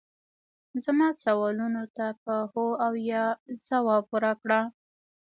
زما سوالونو ته په هو او یا ځواب راکړه